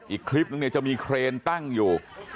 อีกคลิปนึงเนี่ยจะมีเครนตั้งอยู่